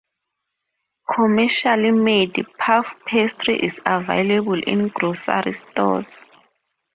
Commercially made puff pastry is available in grocery stores.